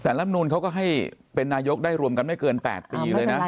แต่ลำนูนเขาก็ให้เป็นนายกได้รวมกันไม่เกิน๘ปีเลยนะ